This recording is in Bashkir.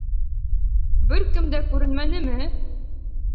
Бер кем дә күренмәнеме?